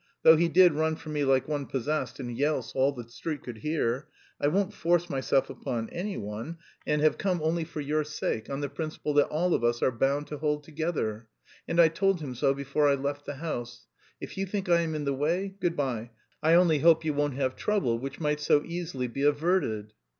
though he did run for me like one possessed and yell so all the street could hear. I won't force myself upon anyone and have come only for your sake, on the principle that all of us are bound to hold together! And I told him so before I left the house. If you think I am in the way, good bye, I only hope you won't have trouble which might so easily be averted."